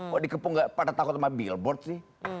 kok dikepung pada takut sama billboard sih